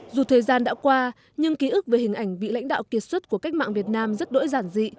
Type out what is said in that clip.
dù thời gian đã qua nhưng ký ức về hình ảnh vị lãnh đạo kiệt xuất của cách mạng việt nam rất đỗi giản dị